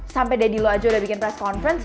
sampe daddy lo aja udah bikin press conference